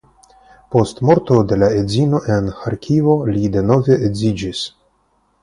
Post morto de la edzino en Ĥarkivo li denove edziĝis.